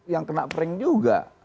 yang kena prank juga